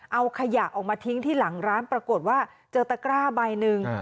เอาขยะออกมาทิ้งที่หลังร้านปรากฏว่าเจอตะกร้าใบหนึ่ง